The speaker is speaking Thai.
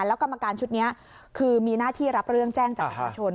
แล้วกรรมการชุดนี้คือมีหน้าที่รับเรื่องแจ้งจากประชาชน